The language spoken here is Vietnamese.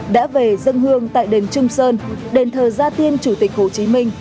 đã về dân hương tại đền trung sơn đền thờ gia tiên chủ tịch hồ chí minh